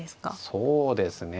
そうですね。